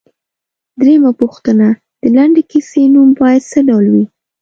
درېمه پوښتنه ـ د لنډې کیسې نوم باید څه ډول وي؟